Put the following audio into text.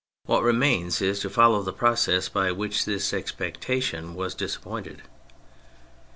What remains is to follow the process by which this expectation was disappointed.